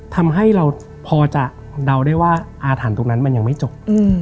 ทำให้เราพอจะเดาได้ว่าอาถรรพ์ตรงนั้นมันยังไม่จบ